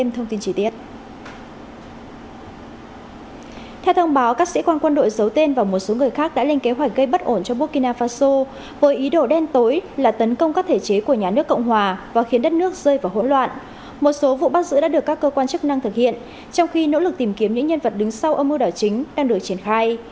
một số vụ bắt giữ đã được các cơ quan chức năng thực hiện trong khi nỗ lực tìm kiếm những nhân vật đứng sau âm mưu đảo chính đang được triển khai